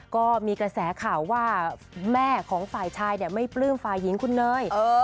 ก็มีกระแสข่าวว่าแม่ของฝ่ายชายไม่ปลื้มฝ่ายหญิงคุณเนย